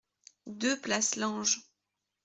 deux place Lange